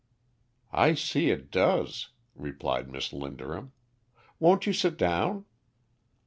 "I see it does," replied Miss Linderham. "Won't you sit down?"